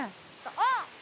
あっ！